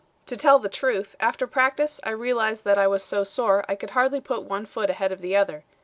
To tell the truth, after practice, I realized that I was so sore I could hardly put one foot ahead of the other.